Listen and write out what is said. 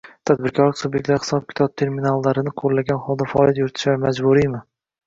tadbirkorlik subyektlari hisob-kitob terminallarini qo‘llagan holda faoliyat yuritishlari majburiymi?